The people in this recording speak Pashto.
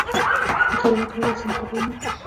مقابله کول اسانه خبره نه وه.